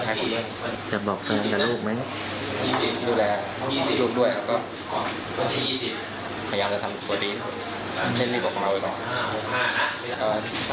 ใช่ค่ะ